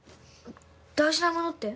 大事なものって？